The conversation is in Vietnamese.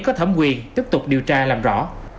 có thẩm quyền tiếp tục điều tra làm rõ